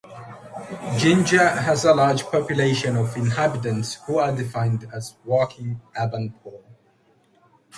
Jinja has a large population of inhabitants who are defined as "working urban poor".